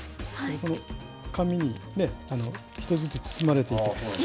この紙にね、１つずつ包まれていて。